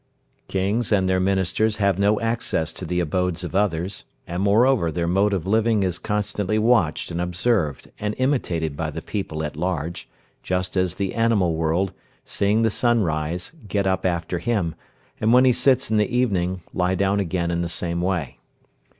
Kings and their ministers have no access to the abodes of others, and moreover their mode of living is constantly watched and observed and imitated by the people at large, just as the animal world, seeing the sun rise, get up after him, and when he sits in the evening, lie down again in the same way.